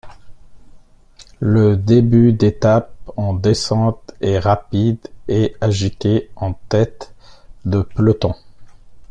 Le début d'étape, en descente, est rapide et agité en tête de peloton.